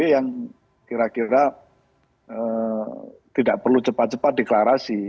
yang kira kira tidak perlu cepat cepat deklarasi